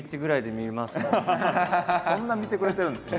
そんな見てくれてるんですね